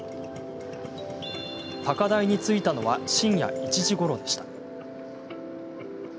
高台に着いたのは深夜１時ごろでした。